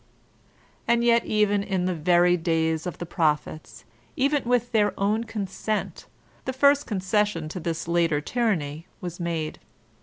And yet even in the very days of the prophets, even with their own consent, the first concession to this later tyranny was made.